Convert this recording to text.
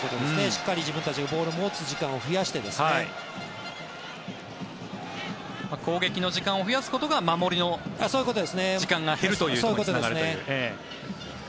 しっかり自分たちがボールを持つ時間を攻撃の時間を増やすことが守りの時間が減ることにつながるという。